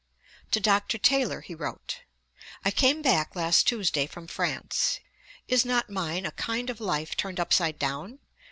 Ib. p. 136. To Dr. Taylor he wrote: 'I came back last Tuesday from France. Is not mine a kind of life turned upside down?